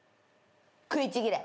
食いちぎれ。